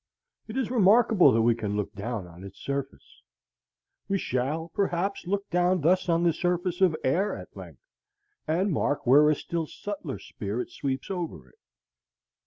It is remarkable that we can look down on its surface. We shall, perhaps, look down thus on the surface of air at length, and mark where a still subtler spirit sweeps over it.